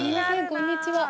こんにちは。